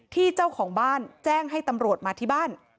เจ้าของบ้านแจ้งให้ตำรวจมาที่บ้าน